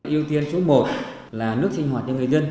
yêu tiên chú một là nước sinh hoạt